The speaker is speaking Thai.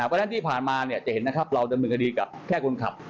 เพราะฉะนั้นที่ผ่านมาจะเห็นนะครับเราดำเนินคดีกับแค่คนขับ